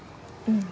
うん。